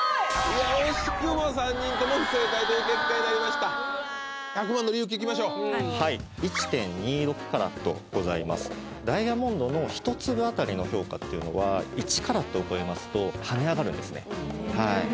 いや惜しくも３人とも不正解という結果になりました１００万の理由聞きましょう１．２６カラットございますダイヤモンドのひと粒当たりの評価っていうのは１カラットを超えますと跳ね上がるんですね